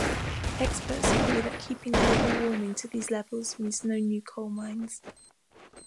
Experts agree that keeping global warming to these levels means no new coal mines.